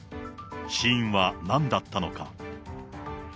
死因はなんだったのか。